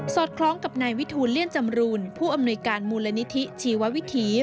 คล้องกับนายวิทูลเลี่ยนจำรูนผู้อำนวยการมูลนิธิชีววิถี